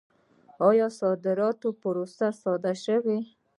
آیا صادراتي پروسه ساده شوې؟